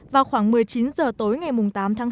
vào khoảng một mươi chín h tối ngày tám tháng chín